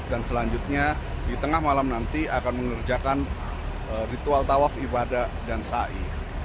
dan selanjutnya di tengah malam nanti akan mengerjakan ritual tawaf ibadah dan sa'i